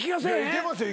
いけますよ。